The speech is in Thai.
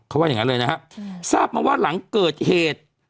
เขาว่าอย่างนั้นเลยนะครับทราบมาว่าหลังเกิดเหตุ